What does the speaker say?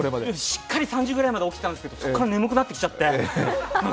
しっかり３時くらいまで起きてたんですけどそこから眠くなっちゃってなんか